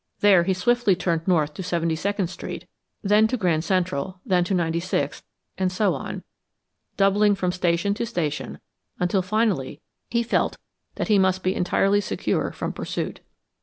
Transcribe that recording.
There he swiftly turned north to Seventy second Street then to the Grand Central, again to Ninety sixth, and so on, doubling from station to station until finally he felt that he must be entirely secure from pursuit.